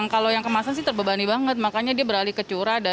kalau yang kemasan sih terbebani banget makanya dia beralih ke curah